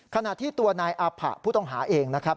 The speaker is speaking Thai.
ขณะที่ตัวนายอาผะผู้ต้องหาเองนะครับ